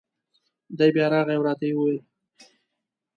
دی بیا راغی او را ته یې وویل: